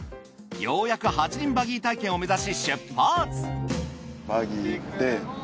ようやく８輪バギー体験を目指し出発。